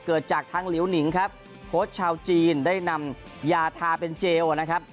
เกิดจากทางหลิวหนิงครับโค้ชชาวจีนได้นำยาทาเป็นเจลนะครับ